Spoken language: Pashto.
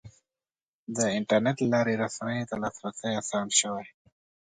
د انټرنیټ له لارې رسنیو ته لاسرسی اسان شوی.